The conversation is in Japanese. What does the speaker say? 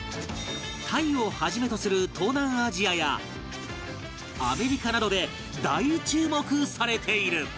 タイをはじめとする東南アジアやアメリカなどで大注目されている